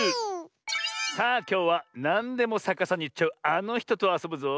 さあきょうはなんでもさかさにいっちゃうあのひととあそぶぞ。